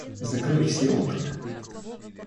Закрой все окна